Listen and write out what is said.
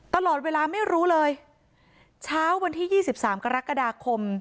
ตลอดเวลาไม่รู้เลยเช้าวันที่ยี่สิบสามกรกฎาคม